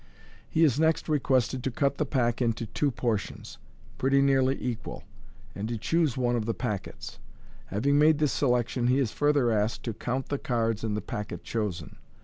He is next requested to cut the pack into two portions, pretty nearly equal, and to choose one of the packets. Having made his selection, he is further asked to count the cards in the packet chosen.